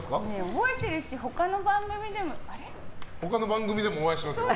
覚えてるし、他の番組でも。他の番組でもお会いしてますよ。